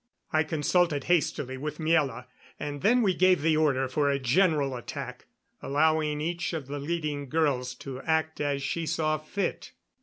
I consulted hastily with Miela, and then we gave the order for a general attack, allowing each of the leading girls to act as she saw fit.